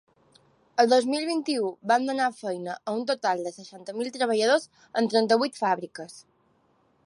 El dos mil vint-i-u van donar feina a un total de seixanta mil treballadors en trenta-vuit fàbriques.